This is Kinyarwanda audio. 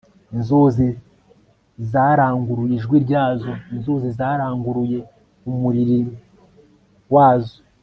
inzuzi zaranguruye ijwi ryazo, inzuzi zaranguruye umuririmo wazo